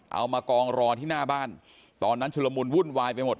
เอามากองรอที่หน้าบ้านตอนนั้นชุลมุนวุ่นวายไปหมด